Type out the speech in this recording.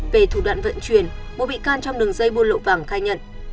về thủ đoạn vận chuyển một bị can trong đường dây buôn lậu vàng khai nhận